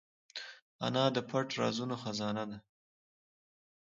انا د پټ رازونو خزانه ده